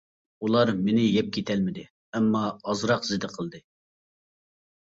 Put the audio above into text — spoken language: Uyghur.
ئۇلار مېنى يەپ كېتەلمىدى ئەمما ئازراق زېدە قىلدى.